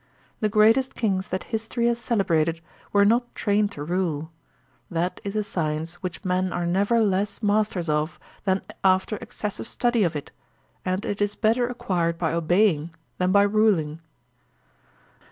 The greatest kings that history has celebrated were not trained to rule; that is a science which men are never less masters of than after excessive study of it, and it is better acquired by obeying than by ruling.